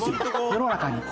世の中に。